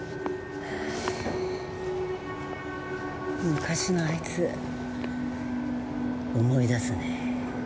昔のあいつ思い出すね。